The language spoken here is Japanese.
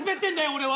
俺は！